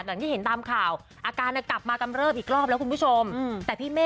อย่างที่เห็นตามข่าวอาการกลับมากำเริบอีกรอบแล้วคุณผู้ชมแต่พี่เมฆ